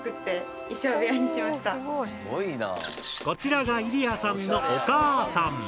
こちらがイリヤさんのお母さん。